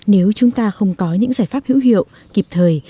nếu chúng ta không có những giải pháp hữu hiệu kịp thời